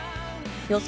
予想